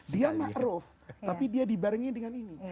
dia ma'ruf tapi dia dibarengi dengan ini